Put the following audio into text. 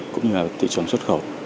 cũng như là thị trường xuất khẩu